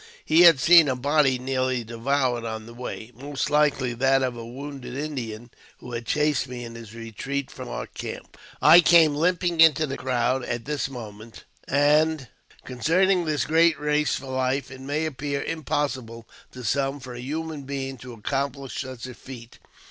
He had seen a body nearly devoured on the way, most likely that of the wounded Indian who had chased me in his retreat from our camp. I came limping into the crowd at this moment, and ad • Concerning this great race for life, it may appear impossible to some for a human being to accomplish such a feat.